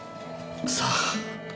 さあ。